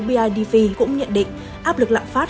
bidv cũng nhận định áp lực lạm phát